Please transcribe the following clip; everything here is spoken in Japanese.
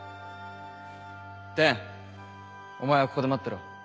貂お前はここで待ってろ。